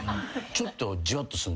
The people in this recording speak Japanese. ちょっとじわっと。